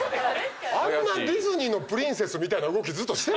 あんなディズニーのプリンセスみたいな動きずっとしてました？